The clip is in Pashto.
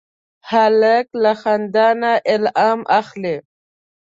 هلک له خندا نه الهام اخلي.